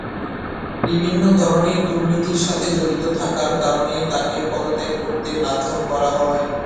বিভিন্ন ধরনের দুর্নীতির সাথে জড়িত থাকার কারণে তাকে পদত্যাগ করতে বাধ্য করা হয়।